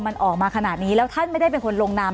มันออกมาขนาดนี้แล้วท่านไม่ได้เป็นคนลงนาม